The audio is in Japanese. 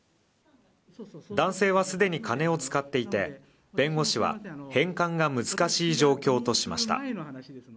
男性は既に金を使っていて、弁護士は返還が難しい状況としました。